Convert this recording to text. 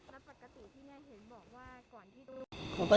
หัทปรัศนาของเจ้าตีที่้หยาบ